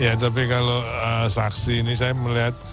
ya tapi kalau saksi ini saya melihat